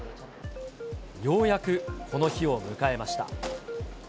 ようやくこの日を迎えました。